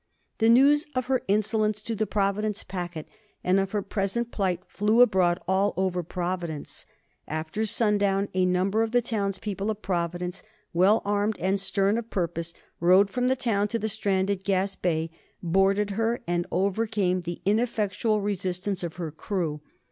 The news of her insolence to the Providence packet and of her present plight flew abroad all over Providence. After sundown a number of the townspeople of Providence, well armed and stern of purpose, rowed from the town to the stranded "Gaspee," boarded her, and overcame the ineffectual resistance of her crew.